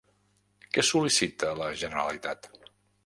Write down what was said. Què sol·licita la Generalitat?